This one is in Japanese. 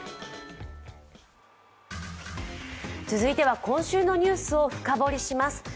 続いては今週のニュースを深掘りします。